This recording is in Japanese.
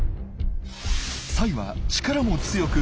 サイは力も強く。